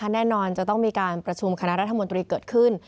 แน่นอนจะต้องมีการประชุมคณะรัฐมนตรีเกิดขึ้น